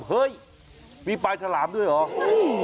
เฮ้ยมีปลายฉลามด้วยเหรอ